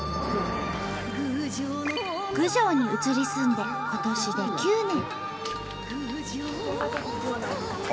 郡上に移り住んで今年で９年。